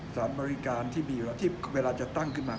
สถานบริการที่มีอยู่แล้วที่เวลาจะตั้งขึ้นมา